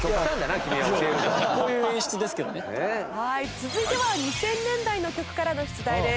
続いては２０００年代の曲からの出題です。